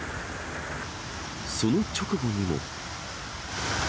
その直後にも。